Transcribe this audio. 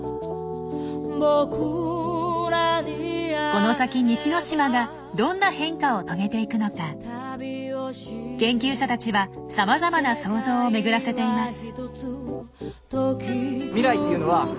この先西之島がどんな変化を遂げていくのか研究者たちはさまざまな想像を巡らせています。